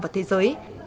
và thế giới